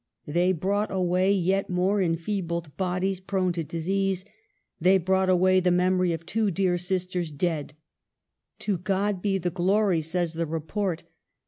They brought away yet more enfeebled bodies, prone to disease ; they brought away the memory of two dear sisters dead. " To God be the glory," says the report.